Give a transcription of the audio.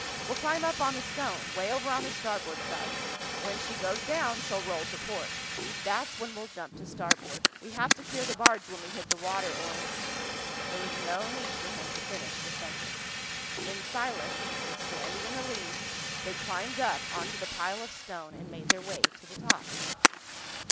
"We'll climb up on the stone—way over on the starboard side. When she goes down, she'll roll to port. That's when we'll jump to starboard. We have to clear the barge when we hit the water or...." There was no need for him to finish the sentence. In silence, with Sandy in the lead, they climbed up onto the pile of stone and made their way to the top.